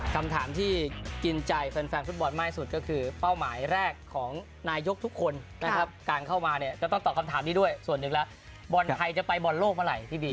คำถามที่กินใจแฟนฟุตบอลมากสุดก็คือเป้าหมายแรกของนายกทุกคนนะครับการเข้ามาเนี่ยก็ต้องตอบคำถามนี้ด้วยส่วนหนึ่งแล้วบอลไทยจะไปบอลโลกเมื่อไหร่พี่บี